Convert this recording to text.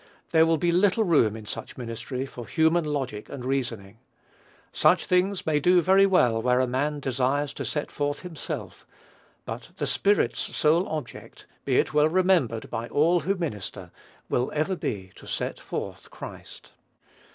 There will be little room in such ministry for human logic and reasoning. Such things may do very well where a man desires to set forth himself; but the Spirit's sole object, be it well remembered by all who minister, will ever be to set forth Christ.